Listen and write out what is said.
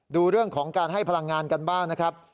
ดูเรื่องของการให้พลังงานกันบ้างนะครับ